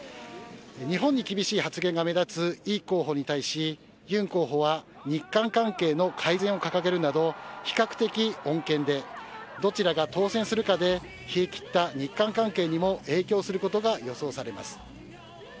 日本に厳しい発言が目立つ李候補に対し尹候補は日韓関係の改善を掲げるなど比較的穏健でどちらが当選するかで冷え切った日韓関係にも影響することが予想されます。